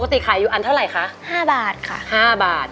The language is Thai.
ปกติขายอยู่อันเท่าไรคะห้าบาทค่ะห้าบาท